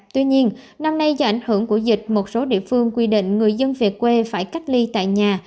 tuy nhiên năm nay do ảnh hưởng của dịch một số địa phương quy định người dân về quê phải cách ly tại nhà